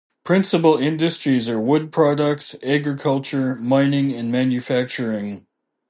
Principal industries are wood products, agriculture, mining, and manufacturing.